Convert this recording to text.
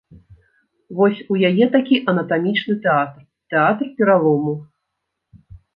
Вось у яе такі анатамічны тэатр, тэатр пералому.